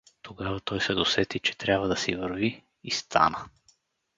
Тогава той се досети, че трябва да си върви — и стана.